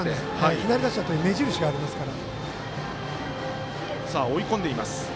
左打者という目印がありますから。